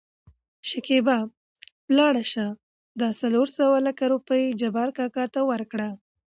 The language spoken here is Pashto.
شکېبا : ولاړ شه دا څورلس لکه روپۍ جبار کاکا ته ورکړه.